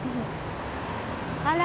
あら。